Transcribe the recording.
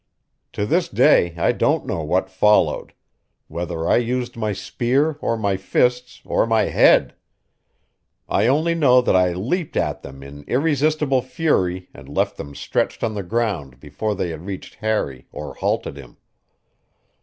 To this day I don't know what followed whether I used my spear or my fists or my head. I know only that I leaped at them in irresistible fury and left them stretched on the ground before they had reached Harry or halted him.